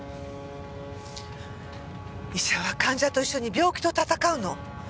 医者は患者と一緒に病気と闘うの。